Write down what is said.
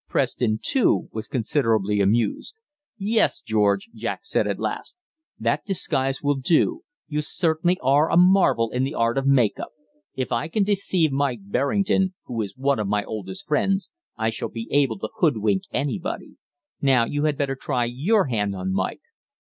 Preston too was considerably amused. "Yes, George," Jack said at last, "that disguise will do; you certainly are a marvel in the art of 'make up.' If I can deceive Mike Berrington, who is one of my oldest friends, I shall be able to hoodwink anybody. Now you had better try your hand on Mike.